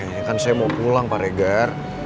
ya kan saya mau pulang pak regar